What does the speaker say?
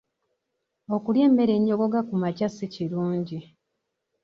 Okulya emmere ennyogoga kumakya si kirungi.